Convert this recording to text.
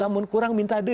namun kurang minta dey